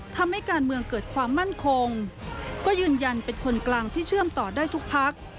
ทำให้การเมืองเกิดความมั่นคงก็ยืนยันเป็นคนกลางที่เชื่อมต่อได้ทุกพัก